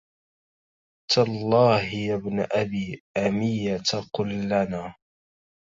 تالله يا ابن أبي أمية قل لنا